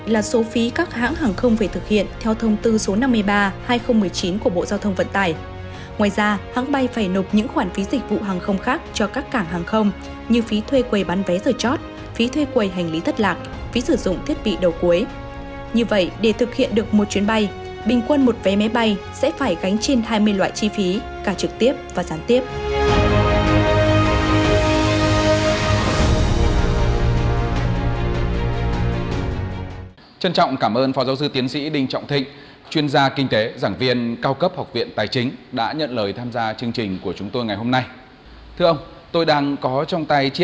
một mươi sáu loại phí do nhà nước quy định là số phí các hãng hàng không phải thực hiện theo thông tư số năm mươi ba hai nghìn một mươi chín của bộ giao thông vận tải